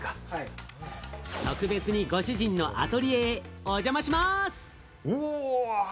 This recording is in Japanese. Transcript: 特別にご主人のアトリエへお邪魔します。